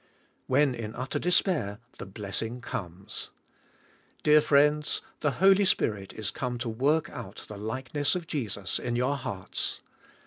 " When in utter despair the blessing comes. Dear friends, the Holy Spirit is come to work out the likeness of Jesus in your hearts.